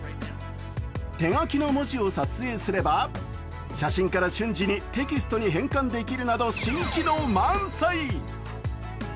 手書きの文字を撮影すれば、写真から瞬時にテキストに変換できるなど、新機能満載。